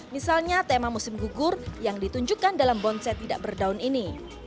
misalnya tema musim gugur yang ditunjukkan dalam bonsai tidak berdaun ini